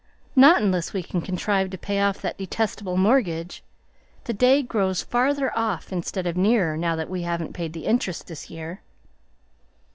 "Not unless we can contrive to pay off that detestable mortgage. The day grows farther off instead of nearer now that we haven't paid the interest this year."